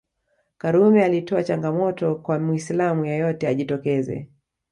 Karume alitoa changamoto kwa Muislam yeyote ajitokeze